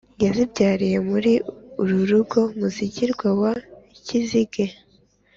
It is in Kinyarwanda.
yazibyarira muri uru rugo muzigirwa wa kizige